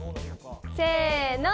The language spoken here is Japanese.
せの！